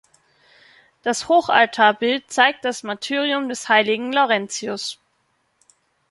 Das Hochaltarbild zeigt das Martyrium des Heiligen Laurentius.